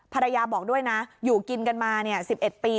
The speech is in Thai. ภรรยาบอกด้วยนะอยู่กินกันมา๑๑ปี